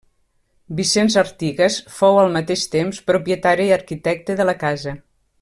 Vicenç Artigas fou al mateix temps propietari i arquitecte de la casa.